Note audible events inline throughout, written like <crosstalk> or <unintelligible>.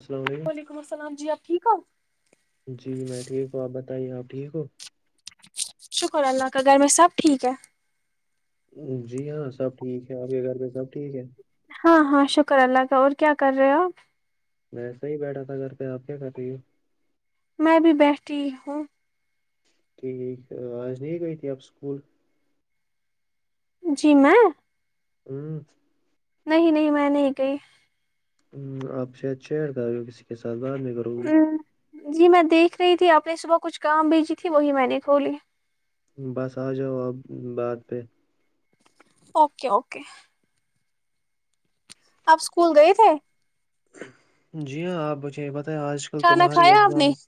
السلام وعلیکم السلام جی آپ ٹھیک ہو علیکم جی میں ٹھیک ہوں آپ ب بھائی اپ ٹھیک ہو شکر اللہ کا گھر میں سب ٹھیک ہے جی ہاں سب ٹھیک ہے آپ کے گھر پہ سب ٹھیک ہے ہاں ہاں شکر اللہ کا اور کیا کر رہے ہو آپ ایسا ہی بیٹھا تھا گھر پہ آپ کیا کر رہ ہیں میں بھی بیٹھی ہوں ٹھیک آج نہیں گئی تھی اب اسکول جی میں ہوں <inaudible> نہیں نہیں میں نہیں گئی ہ آپ شاید چیر کر رہے ہو کسی کے ساتھ بر نہیں کرو گی جی میں دیکھ رہی تھی آپ نے صبح کچھ کام بھیجی تھی وہی میں نے کھو لی بس اجاؤ اب بات پہ اوکے اوکے اب اسکول گئے تھے جی ہاں آپ مچھے بت آج کل کھانا تمہاری کھایا آپ نے ایگزامس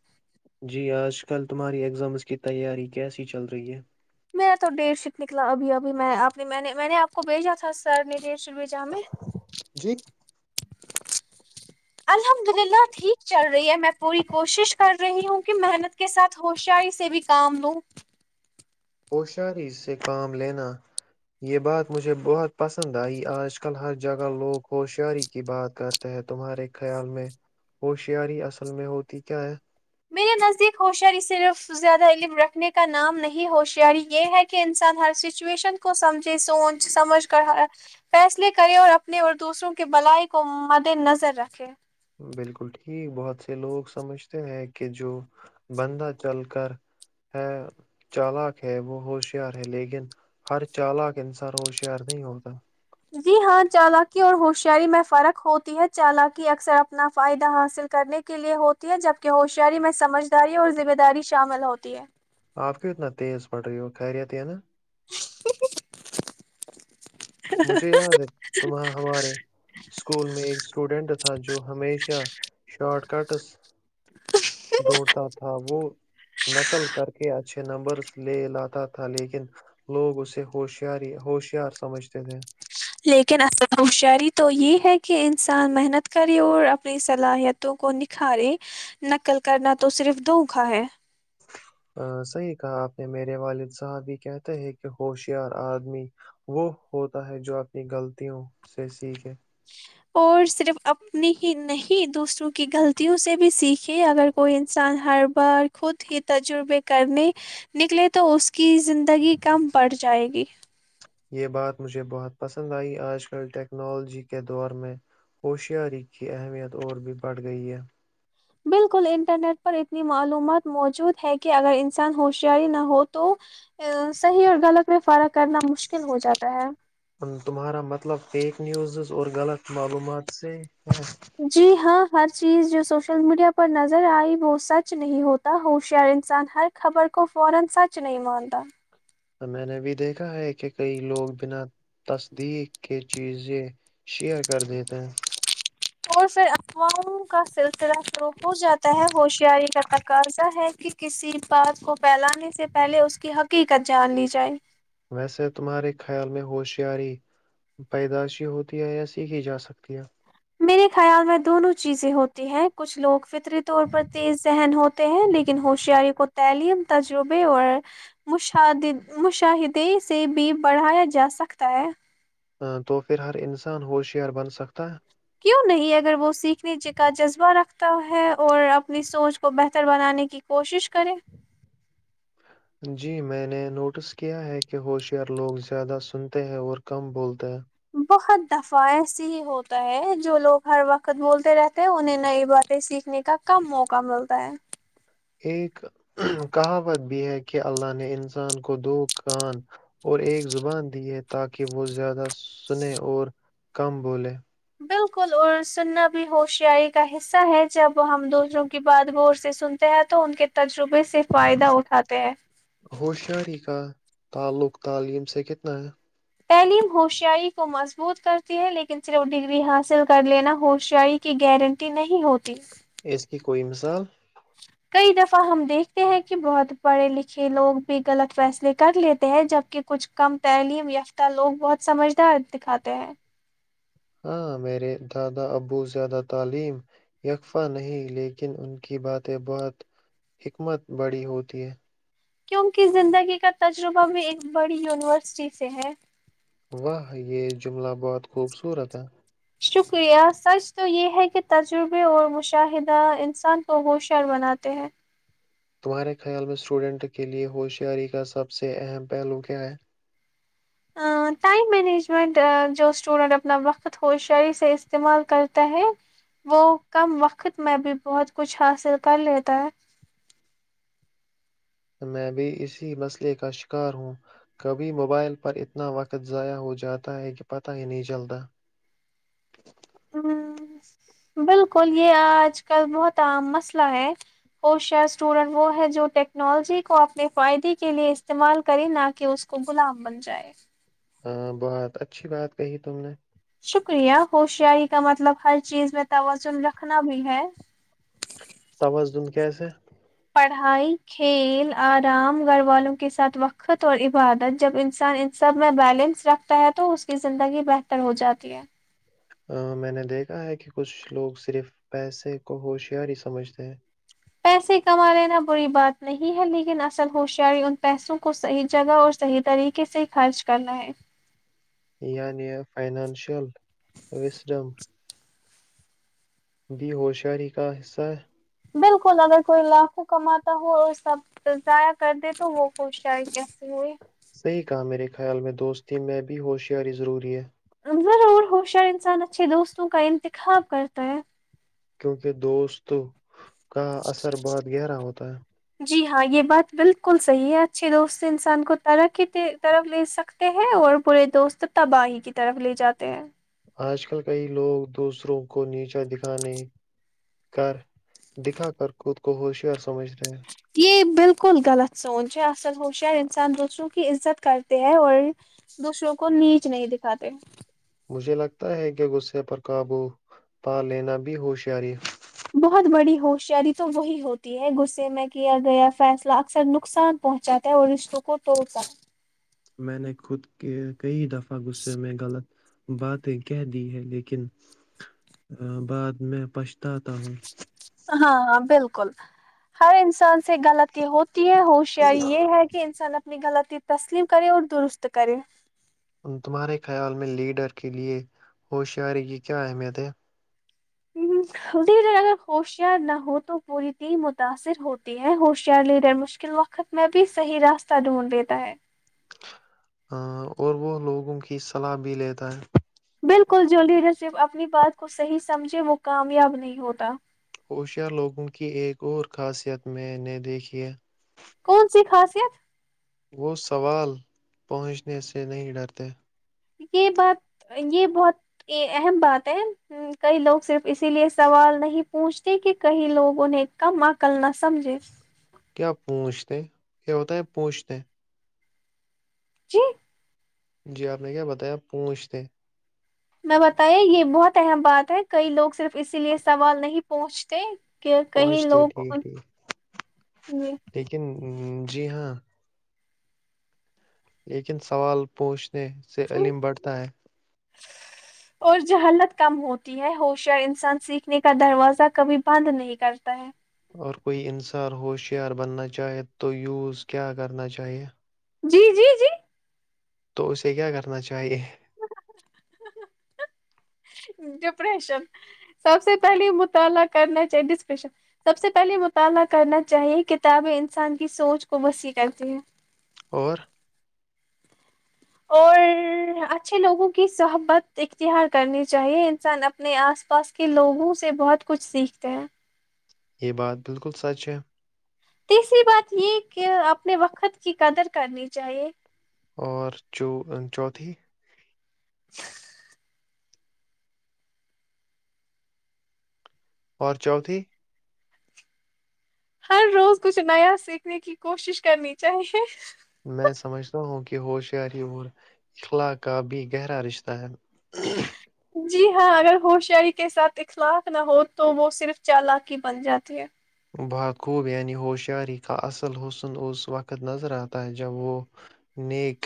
جی آج کل تمہاری ایگزامز کی تیاری کیسی چل رہی ہے میرا تو ڈٹ سٹ نکلا ابھی ابھی میں آپ نے نے میں نے آپ کو بھیجا تھا سر نے ڈٹ جی الحمد للہ ٹھیک چل رہی ہے میں پوری کوشش کر رہی ہوں کہ محنت کے ساتھ ہوشاری سے بھی کام لوں ہوشیاری سے کام لینا یہ بات مجھے بہت پسند آئی آج کل ہر جگہ لوگ ہوشیاری کی بات کرتے ہیں تمہارے خیال میں ہوشیاری اصل میں ہوتی کیا ہے میرے نزدیک ہوشیاری صرف زیادہ علم رکھنے کا نام نہیں ہوشیاری یہ ہے کہ انسان ہر سچویشن کو سمجھے سوچ سمجھ کر ہر فیصلے کرے اور اپنے اور دوسروں کے بلائی کو مد نظر رکھے بالکل ٹھیک بہت سے لوگ سمجھتے ہیں کہ جو بندہ چل کر ہے چالک ہے وہ ہوشیار ہے لیکن ہر چالک انسان ہوشیار نہیں ہوتا جی ہاں چالاکی اور ہوشیاری میں فرق ہوتی ہے چالاکی اکثر اپنا فائدہ حاصل کرنے کے لیے ہوتی ہے جبکہ ہوشیاری میں سمجھداری اور ذمہ داری شامل ہوتی ہے آپ کییت ن نہ تیز پٹ رہے ہو خیریت یہ ہے نا ا مجھے یاد ہے تماں ہمارے اسکول میں ایک اسٹوڈینٹ تھا جو ہمیشہ شارٹ کٹس ڈھونڈتا تھا وہ نقل کر کے اچھے نمبر لے لاتا تھا لیکن لوگ اسے ہوشیاری ہوشیار سمجھ چد ہے لیکن ال ہوشیری تو یہ ہے کہ انسان محنت کرے اور اپنی صلاحیتوں کو نکھارے نقل کرنا تو صرف دوکھا ہے ا صحیح کہا آپ نے میرے والد صاحب بھی کہتے ہیں کہ ہوشیار آدمی وہ ہوتا ہے جو اپنی غلطوں سے سیکھے اور صرف اپنی ہی نہیں دوسروں کی غلطیوں سے بھی سیکھے اگر کوئی انسان ہر بار خود ہی تجربے کرنے نکلے تو اس کی زندگی کم بڑ جائے گی یہ بات مجھے بہت پسند آئی، آج کل ٹیکنالوجی کے دور میں ہوشیاری کی اہمیت اور بھی بڑھ گئی ہے بالکل انٹرنیٹ پر اتنی معلومات موجود ہے کہ اگر انسان ہوشیاری نہ ہو تو صحیح اور غلط میں فارق کرنا مشکل ہو جاتا ہے تمہارا مطلب فیک نیوزز اور غلط معلومات سے جی ہاں فرسٹ چیز جو سوشل میڈیا پر نظر ائی وہ سچ نہیں ہوتا ہوشیار انسان ہر خبر کو فورا سچ نہیں مانتا میں نے بھی دیکھا ہے کہ کئی لوگ بنا تصدیق کے چیزیں شیئر کر دیتے ہیں سے اقواام کا سلسلہ رح فرو ہو جاتا ہے ہوشیاری کا قت کہا ہے کہ کسی بات کو پھیلانے سے پہلے اس کی حقیقت جان لی جائے ویسے تمہارے خیال میں ہوشیاری پیدائشی ہوتی ہے یا سیکھی جا سکتی ہے میرے خیال میں دونوں چیزیں ہوتی ہیں کچھ لوگ فطری طور پر تیز ذہن ہوتے ہیں لیکن ہوشیاری کو تعلیم تجربے اور مشد مشاہدے سے بھی بڑھایا جا سکتا ہے ہ تو پھر ہر انسان ہوشیار بن سکتا ہے کیوں نہیں اگر وہ سیکھنے کا جذبہ رکھتا تا ہے اور اپنی سوچ کو بہتر بنانے کی کوشش کرے جی میں نے نوٹس کیا ہے کہ ہوشیار لوگ زیادہ سنتے ہیں اور کم بولتے ہیں بہت دفع ایسے ہی ہوتا ہے جو لوگ ہر وقت بولتے رہتے ہیں انہیں نئی باتیں سیکھنے کا کم موقع ملتا ہے ایک کہاوت بھی ہے کہ اللہ نے انسان کو دو کان اور ایک زبان دی ہے تاکہ وہ زیادہ سن اور کم بولے بالکل اور سننا بھی ہوشیاری کا حصہ ہے جب ہم دوسروں کی بات غور سے سنتے ہیں تو ان کے تجربے سے فائدہ اٹھاتے ہیں ہوشیاری کا تعلق تعلیم سے کتنا ہے تعلیم ہوشیاری کو مضبوط کرتی ہے لیکن صرف ڈگری حاصل کر لینا ہوشیاری کی گارنٹی نہیں ہوتی تین ہے اس کی کوئی مثال کئی دفعہ ہم دیکھتے ہیں کہ بہت پڑھے لکھے لوگ بھی غلط فیصلے کر لیتے ہیں جبکہ کچھ کم تعلیم یافتہ لوگ بہت سمجھدار دکھاتے ہیں ہاں میرے دادا ابو زیادہ تعلیم یکفہ نہیں، لیکن ان کی باتیں بہت حکمت بڑی ہوتی ہیں کیونکہ زندگی کا تجربہ بھی ایک بڑی یونیورسٹی سے ہے واہ یہ جملہ بہت خوبصورت ہے شکریہ سچ تو یہ ہے کہ تجربے اور مشاہدہ انسان کو ہوشیار بناتے ہیں تمہارے خیال میں اسٹوڈنٹ کے لیے ہوشیاری کا سب سے اہم پہلو کیا ہے ٹائم مینجمنٹ جو اسٹوڈینٹ اپنا وقت ہوشی سے استعمال کرتا ہے وہ کم وقت میں بھی بہت کچھ حاصل کر لیتا ہے میں بھی اسی مسئلے کا شکار ہوں کبھی موبائل پر اتنا وقت ضائع ہو جاتا ہے کہ پتہ ہی نہیں چلتا ہ بالکل یہ آج کل بہت عام مسئلہ ہے ہو شیار اسٹوڈنٹ وہ ہے جو ٹیکنالوجی کو اپنے فائدے کے لیے استعمال کرے نہ کہ اس کو غلام بن جائے ہاں بہت اچھی بات کہی تم نے شکریہ خشیااریی کا مطلب ہر چیز میں توازن رکھنا بھی ہے توازن کیسے پڑھائی کھیل آرام گھر والوں کے ساتھ وقت اور عبادت جب انسان ان سب میں بیلنس رکھتا ہے تو اس کی زندگی بہتر ہو جاتی ہے ا میں نے دیکھا ہے کہ کچھ لوگ صرف پیسے کو ہوشیاری سمجھتے ہیں پیسے کما لینا بری بات نہیں ہے لیکن اصل ہوشیاری ان پیسوں کو صحیح جگہ اور صحیح طریقے سے خرچ کرنا ہے یعنییا فائنانشل وسڈم بھی ہوشیاری کا حصہ ہے بالکل اگر کوئی لاکھوں کماتا ہو اور سب ضائع کر دے تو وہ خوش آ ہے کیسے ہوئے صحیح کہا میرے خیال میں دوستی میں بھی ہوشیاری ضروری ہے ضرور ہوشی اور انسان اچھے دوستوں کا انتخاب کرتا ہے کیونکہ دوست کا اثر بہت گہرا ہوتا ہے جی ہاں یہ بات بالکل صحیح ہے اچھے دوست انسان کو طرح کی طرف لے سکتے ہیں اور برے دوست تباہی کی طرف لے جاتے ہیں آج کل کئی لوگ دوسروں کو نیچا دکھانے کر دکھا کر خود کو ہوشیار سمجھتے یہ بالکل غلط سچ آصل ہو شاری انسان دوسروں کی عزت کرتے ہیں اور دوسروں کو نیچ نہیں دکھاتے مجھے لگتا ہے کہ غصے پر قابو پا لینا بھی ہوشیاری بہت بڑی ہوشیاری تو وہی ہوتی ہے غصے میں کیا گیا فیصلہ اکثر نقصان پہنچاتا ہے اور رشتوں کو توڑتا میں نے خود کیک چئی دفہ گھ سے م میں غلط باتیں کہہ دی ہے لیکن بات میں پچھتاتا ہوں ہاں ہاں بالکل ہر انسان سے غلط ہوتی ہے ہوشیاری یہ ہے کہ انسان اپ اپنی غلطی تسلیم کرے اور درست کریں تمہارے خیال میں لیڈر کے لیے ہوشیاری کی کیا اہمیت ہے لیڈر اگر ہوشیار نہ ہو تو پوری تین متاثر ہوتی ہے ہوشیار لیڈر مشکل وقت میں بھی صحیح راستہ ڈھونڈ دیتا ہے ا اور وہ لوگوں کی صلاح بھی لیتا ہے بالکل جو لیڈر شپ اپنی بات کو صحیح سمجھے وہ کامیاب نہیں ہوتا اشہ لوگوں کی ایک اور خاصیت میں نے دیکھیے کون سی خاصیت وہ سوال پہنچنے سے نہیں ڈرتے یہ بات یہ بہت اہم بات ہے کئی لوگ صرف اسی لیے سوال نہیں پوچھتے کہ کئی لوگ انہیں کم عقل نہ سمجھیں کیا پوچھتے یہ ہوتا ہے پوچھتے جی جی آپ نے کیا بتایا پوونچھتے ہیں میں بتے یہ بہت اہم بات ہے کئی لوگ صرف اسی لیے سوال نہیں پہچتے کہ کئی پہنچتے لوگ ٹھیک ٹھیک ہ جی ہاں لیکن سوال پوچھتے سے علم بڑھتا ہے اور جہالت کم ہوتی ہے ہوشیار انسان سیکھنے کا دروازہ کبھی بند نہیں کرتا ہے اور کوئی انسار ہوشیار بننا چاہے تو یوز کیا کرنا چاہیئے جی جی جی تو اسے کیا کرنا چاہیے ڈپریشن سب سے پہلے مطالعہ کرنا چاہیے ڈسپریشن سب سے پہلے مطالعہ کرنا چاہیے کتابیں انسان کی سوچ کو وسیع کرتی ہیں اور اور اچھے لوگوں کی سحبت اختیہار کرنی چاہیے انسان اپنے آس پاس کے لوگوں سے بہت کچھ سیکھتے ہیں یہ بات بالکل سچ ہے تیسری بات یہ کہ اپنے وقت کی قدر کرنی چاہیے اور چو چوتھی اور چوتھی ہر روز کچھ نیا سیکھنے کی کوشش کرنی چاہیے میں سمجھتا ہوں کہ ہوشیاری اور اخلا کا بھی گہرا رشتہ ہے جی ہاں اگر ہوشیاری کے ساتھ اخلاق نہ ہو تو وہ صرف چالاکی بن جاتی ہے باکوب یعنی ہوشیاری کا اصل حسن اس وقت نظر آتا ہے جب وہ نیک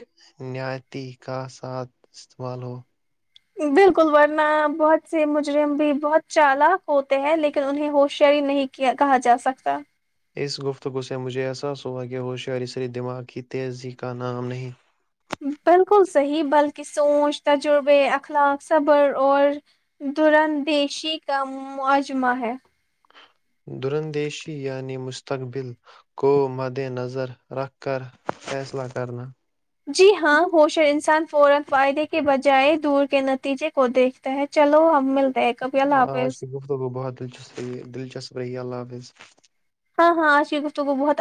نتی کا ساتھ استعمال ہو بالکل ورنہ بہت سے مجرم بھی بہت چالاک ہوتے ہیں لیکن انہیں ہوشیاری نہیں کیا کہا جا سکتا اس گفتگو سے مجھے احساس ہوا کہ وہ شری سری دماغ کی تیزی کا نام نہیں بالکل صحیح بلکہ سوچ تجربے اخلاق صبر اور دردیشی کا معجمہ ہے درندیشی یعنی مستقبل کو مد نظر رکھ کر فیصلہ کرنا <unintelligible> جائے دور کے نتیجے کو دیکھتا ہے چلو ہم مل آج کی گفتگو بہت دلچسپی دلچسپی ش بری اللہ حافظ ہاں ہاںچی گستو کو بہت